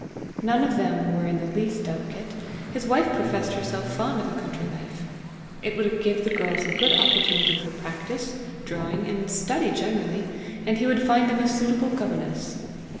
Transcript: None of them were in the least delicate; his wife professed herself fond of a country life; it would give the girls a good opportunity for practice, drawing, and study generally, and he would find them a suitable governess!